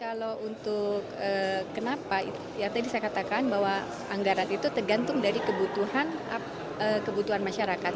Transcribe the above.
kalau untuk kenapa ya tadi saya katakan bahwa anggaran itu tergantung dari kebutuhan masyarakat